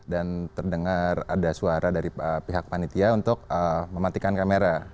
dan terdengar ada suara dari pihak panitia untuk mematikan kamera